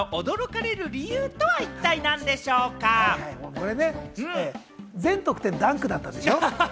これね、全得点ダンクだったんでしょ？